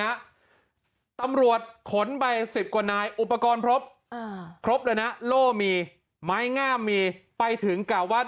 อ่ะตำรวจขนใบสิบกว่านายอุปกรณ์พรบครบแล้วนะโล่มีไม้ง่ามมีไปถึงกล่าววัด